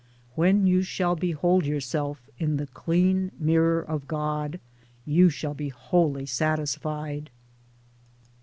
When you shall behold yourself in the clean mirror of God you shall be wholly satisfied.